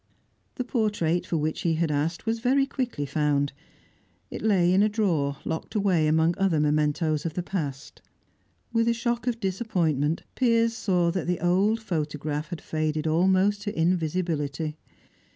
The portrait for which he had asked was very quickly found. It lay in a drawer, locked away among other mementoes of the past. With a shock of disappointment, Piers saw that the old photograph had faded almost to invisibility.